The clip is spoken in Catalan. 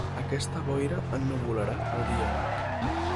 Aquesta boira ennuvolarà el dia.